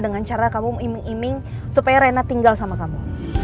dengan cara kamu mengiming iming supaya renat tinggal sama kamu